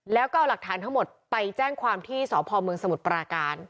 แล้วก็เอาหลักฐานทั้งหมดไปแจ้งความที่สพเมืองสมุทรปราการ